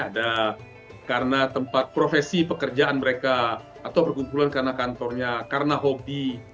ada karena tempat profesi pekerjaan mereka atau perkumpulan karena kantornya karena hobi